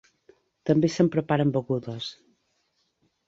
També se'n preparen begudes.